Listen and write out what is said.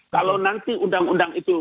kalau nanti undang undang itu